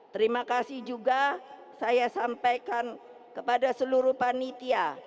terima kasih juga saya sampaikan kepada seluruh panitia